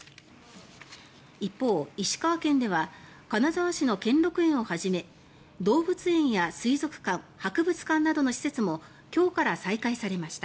一方、石川県では金沢市の兼六園をはじめ動物園や水族館博物館などの施設も今日から再開されました。